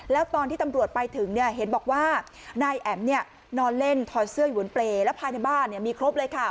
แล้วตอนที่ตำรวจไปถึงเนี่ยเห็นบอกว่านายแอ๋มนอนเล่นถอดเสื้ออยู่บนเปรย์แล้วภายในบ้านมีครบเลยค่ะ